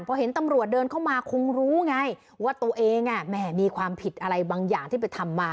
พอเห็นตำรวจเดินเข้ามาคงรู้ไงว่าตัวเองแหมมีความผิดอะไรบางอย่างที่ไปทำมา